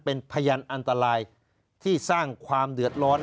เป็นพยานอันตรายที่สร้างความเดือดร้อน